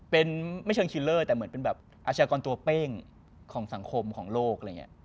เป็นไม่เชิงชิลเลอร์แต่เหมือนเป็นแบบอาชญากรตัวเป้งของสังคมของโลกอะไรอย่างนี้